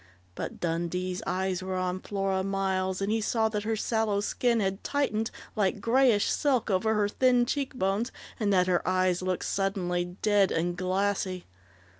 But Dundee's eyes were on Flora Miles, and he saw that her sallow skin had tightened like greyish silk over her thin cheek bones, and that her eyes looked suddenly dead and glassy.